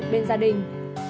bên gia đình